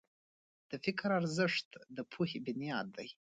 د فکر ارزښت د پوهې بنیاد دی.